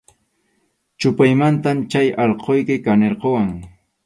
Chʼupaymantam chay allquyki kanirquwan.